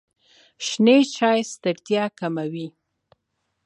شنې چایی ستړیا کموي.